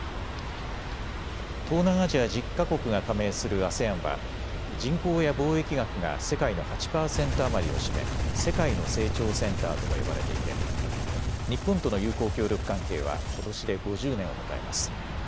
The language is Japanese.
東南アジア１０か国が加盟するＡＳＥＡＮは人口や貿易額が世界の８％余りを占め世界の成長センターとも呼ばれていて日本との友好協力関係はことしで５０年を迎えます。